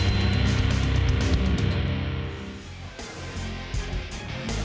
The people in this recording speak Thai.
สร้างซีลอภัทรอยแมล่งมวยกล้ายว่าชมหัว